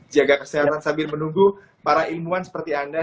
jaga kesehatan sambil menunggu para ilmuwan seperti anda